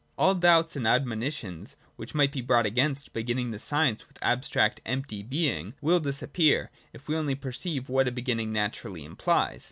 All doubts and admonitions, which might be brought against beginning the science with abstract empty being, will disappear, if we only perceive what a beginning naturally implies.